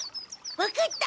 分かった。